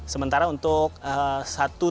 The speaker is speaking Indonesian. sementara untuk satu